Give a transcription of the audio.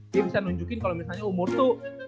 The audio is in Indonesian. dia bisa nunjukin kalau misalnya umur tuh